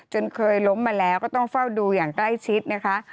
เคยล้มมาแล้วก็ต้องเฝ้าดูอย่างใกล้ชิดนะคะ